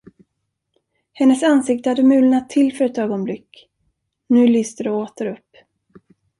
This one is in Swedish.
Hennes ansikte hade mulnat till för ett ögonblick, nu lyste det åter upp.